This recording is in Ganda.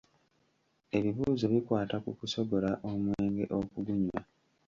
Ebibuuzo ebikwata ku kusogola omwenge n'okugunywa.